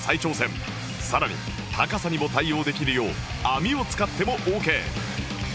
さらに高さにも対応できるよう網を使ってもオッケー